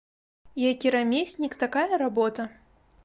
Які рамеснік ‒ такая работа